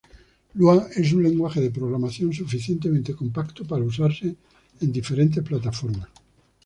Lua es un lenguaje de programación suficientemente compacto para usarse en diferentes plataformas.